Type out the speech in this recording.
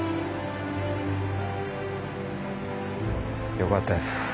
よかったです。